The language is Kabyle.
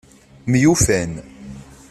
Myufan.